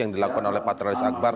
yang dilakukan oleh patrialis akbar